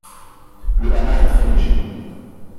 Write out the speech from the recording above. Le anna est très léger.